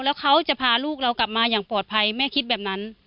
แล้วเขาจะพาลูกเรากลับมาอย่างปลอดภัยแม่คิดแบบนั้น